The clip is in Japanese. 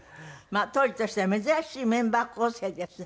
まあ当時としては珍しいメンバー構成です。